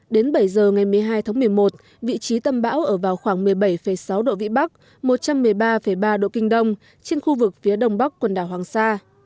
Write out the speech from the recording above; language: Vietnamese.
đến bảy giờ ngày một mươi hai tháng một mươi một vị trí tâm bão ở vào khoảng một mươi bảy sáu độ vĩ bắc một trăm một mươi ba ba độ kinh đông trên khu vực phía đông bắc quần đảo hoàng sa